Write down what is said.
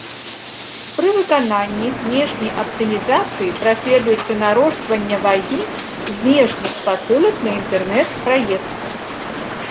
Пры выкананні знешняй аптымізацыі праследуюцца нарошчвання вагі знешніх спасылак на інтэрнэт-праект.